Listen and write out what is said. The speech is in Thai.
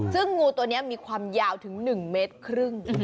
ซึ่งงูตัวนี้มีความยาวถึง๑เมตรครึ่ง